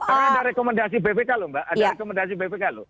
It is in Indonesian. karena ada rekomendasi bpk lho mbak ada rekomendasi bpk lho